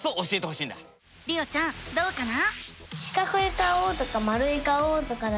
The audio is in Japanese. りおちゃんどうかな？